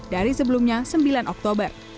dari sebelumnya sembilan oktober